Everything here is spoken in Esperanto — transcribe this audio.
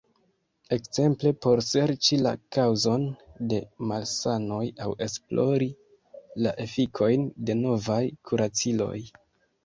Ekzemple por serĉi la kaŭzon de malsanoj aŭ esplori la efikojn de novaj kuraciloj.